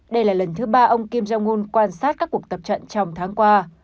đây là lần thứ ba ông kim jong un quan sát các cuộc tập trận trong tháng qua